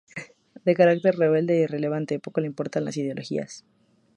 De carácter rebelde e irreverente, poco le importan las ideologías.